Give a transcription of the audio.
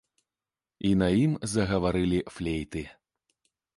І на ім загаварылі флейты.